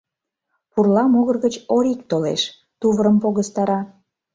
Пурла могыр гыч Орик толеш, тувырым погыстара.